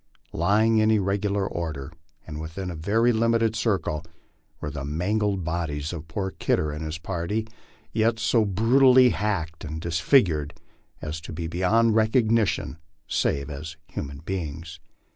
Lying in irregular order, and within a very limited circle, were the mangled bodies of poor Kidder and his party, yet so brutally hacked and dis figured as to be beyond recognition save as human beings.